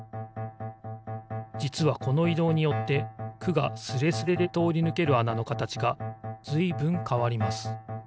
じつはこのいどうによって「く」がスレスレでとおりぬけるあなのかたちがずいぶんかわります。